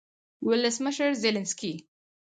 ولسمشرزیلینسکي